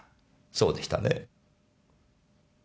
そうでしたね？